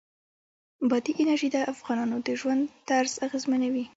بادي انرژي د افغانانو د ژوند طرز اغېزمنوي.